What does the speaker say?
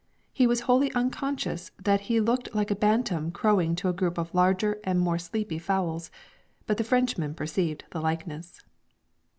He was wholly unconscious that he looked like a bantam crowing to a group of larger and more sleepy fowls, but the Frenchmen perceived the likeness.